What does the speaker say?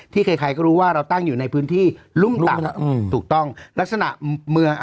ใครใครก็รู้ว่าเราตั้งอยู่ในพื้นที่รุ่มต่ำถูกต้องลักษณะเมือง